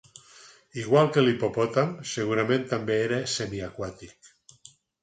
Igual que l'hipopòtam, segurament també era semiaquàtic.